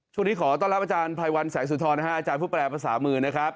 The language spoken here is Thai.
ช่วงนี้ขอต้อนรับอาจารย์พ่ายวันแสงสุทธรอาจารย์ผู้แปรรามภาษามือนะครับ